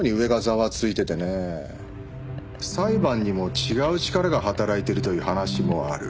裁判にも違う力が働いてるという話もある。